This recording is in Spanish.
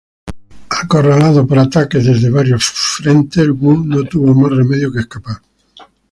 Acorralado por ataques desde varios frentes, Wu no tuvo más remedio que escapar.